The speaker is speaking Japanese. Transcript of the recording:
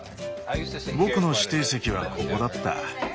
僕の指定席はここだった。